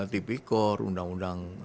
tp corp undang undang